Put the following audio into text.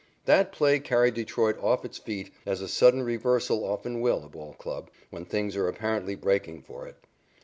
That play carried Detroit off its feet, as a sudden reversal often will a ball club, when things are apparently breaking for it.